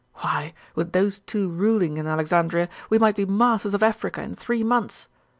Why, with those two ruling in Alexandria, we might be masters of Africa in three months.